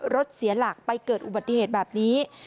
รถเสียหลักไปเกิดอุบัติเหตุแบบนี้